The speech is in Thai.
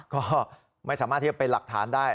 ก็ไม่สามารถที่จะเป็นหลักฐานได้